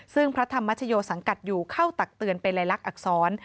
ซึ่งพระธรรมชโยสังกัดอยู่เข้าตักเตือนเป็นลายลักษณอักษร